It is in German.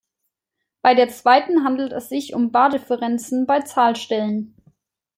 Bei der Zweiten handelt es sich um Bardifferenzen bei Zahlstellen.